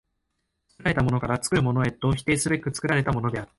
作られたものから作るものへと否定すべく作られたものである。